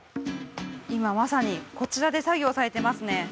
今まさにこちらで作業されてますね